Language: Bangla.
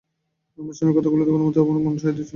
আমার স্বামীর কথাগুলোতে কোনোমতেই আমার মন সায় দিচ্ছিল না।